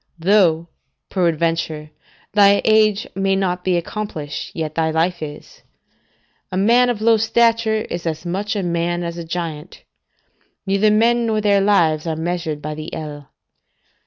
Though, peradventure, thy age may not be accomplished, yet thy life is: a man of low stature is as much a man as a giant; neither men nor their lives are measured by the ell.